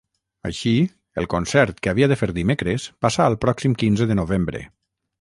Així, el concert que havia de fer dimecres passa al pròxim quinze de novembre.